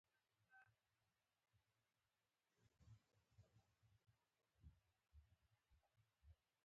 ای د وطن ښکليه، ګل اوسې او تل اوسې